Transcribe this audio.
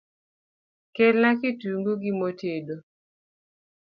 Kelna kitungu gi mo tedo